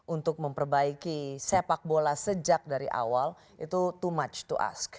untuk memperbaiki sepak bola sejak dari awal itu to mutch to us